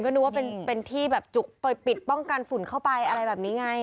ก็นึกว่าเป็นที่แบบจุกไปปิดป้องกันฝุ่นเข้าไปอะไรแบบนี้ไง